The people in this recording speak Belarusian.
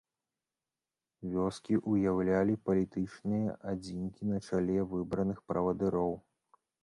Вёскі ўяўлялі палітычныя адзінкі на чале выбраных правадыроў.